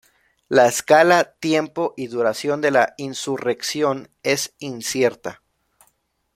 La escala, tiempo y duración de la insurrección es incierta.